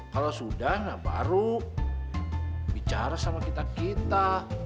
kalau sudah nah baru bicara sama kita kita